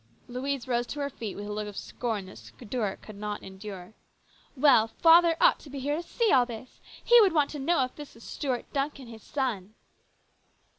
Louise rose to her feet with a look of scorn that Stuart could not endure. " Well, father ought to be here to see all this ! He would want to know if this is Stuart Duncan, his son."